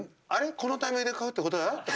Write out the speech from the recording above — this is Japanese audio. このタイミングで買うってことは？」とか。